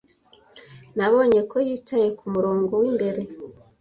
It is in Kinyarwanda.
Nabonye ko yicaye ku murongo w'imbere.